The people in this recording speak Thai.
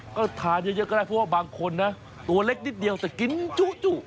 ก็ทานเยอะก็ได้เพราะว่าบางคนนะตัวเล็กนิดเดียวแต่กินจุ